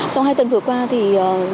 trong hai tuần vừa qua thì